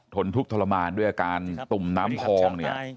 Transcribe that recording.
นทุกข์ทรมานด้วยอาการตุ่มน้ำพองเนี่ย